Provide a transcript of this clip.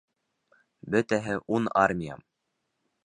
Бөтәһе ун армия.